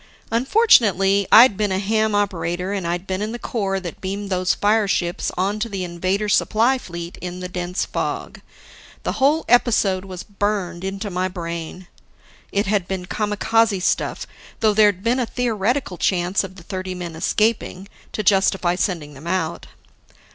Unfortunately, I'd been a ham operator and I'd been in the corps that beamed those fireships onto the Invader supply fleet in the dense fog. The whole episode was burned into my brain. It had been kamikaze stuff, though there'd been a theoretical chance of the thirty men escaping, to justify sending them out.